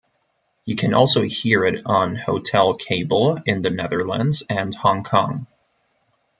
You can also hear it on hotel cable in the Netherlands and Hong Kong.